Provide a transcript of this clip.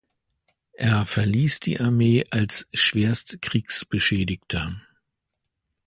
Er verließ die Armee als schwerst Kriegsbeschädigter.